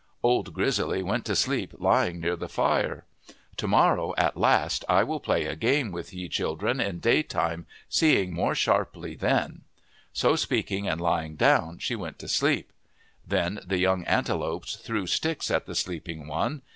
Old Grizzly went to sleep lying near the fire. " To morrow at last I will play a game with ye children in daytime, seeing more sharply then." So speaking and lying down she went to sleep. Then the young antelopes threw sticks at the sleeping one.